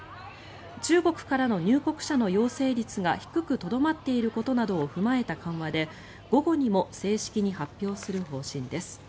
中国からの入国者の陽性率が低くとどまっていることなどを踏まえた緩和で午後にも正式に発表する方針です。